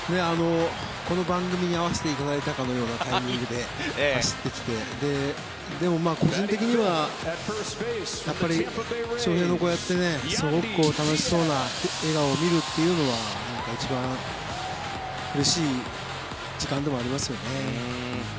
この番組に合わせていただいたかのようなタイミングで走ってきてでも、個人的には翔平のこうやってすごく楽しそうな笑顔を見るっていうのは一番うれしい時間でもありますよね。